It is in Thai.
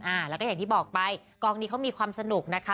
อ่าแล้วก็อย่างที่บอกไปกองนี้เขามีความสนุกนะคะ